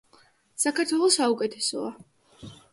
საქართველო საუკეთესოა